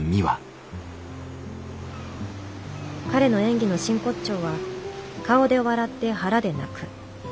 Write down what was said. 彼の演技の真骨頂は「顔で笑って腹で泣く」。